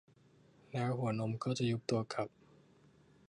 แล้วหัวนมก็จะยุบตัวกลับ